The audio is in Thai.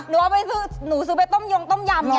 หนูว่าไปซื้อหนูซื้อไปต้มยงต้มยำอย่างนี้